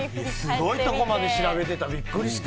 すごいとこまで調べたびっくりした。